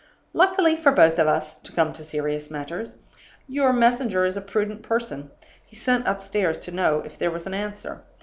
"Luckily for both of us (to come to serious matters), your messenger is a prudent person. He sent upstairs to know if there was an answer.